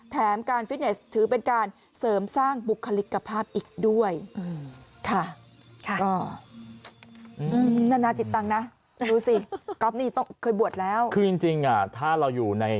แถมการฟิตเนสถือเป็นการเสริมสร้างบุคลิกภาพอีกด้วยค่ะ